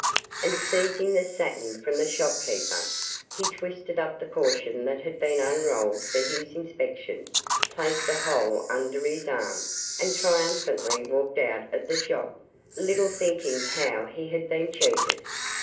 And seizing the satin from the shopkeeper, he twisted up the portion that had been unrolled for his inspection, placed the whole under his arm, and triumphantly walked out of the shop, little thinking how he had been cheated.